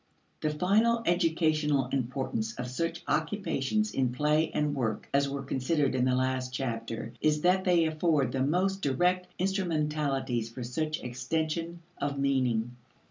The final educational importance of such occupations in play and work as were considered in the last chapter is that they afford the most direct instrumentalities for such extension of meaning.